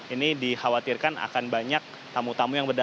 ini dikhawatirkan akan banyak tamu tamu yang berbeda